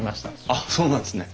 あっそうなんですね。